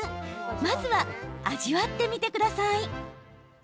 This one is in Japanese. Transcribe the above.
まずは、味わってみてください。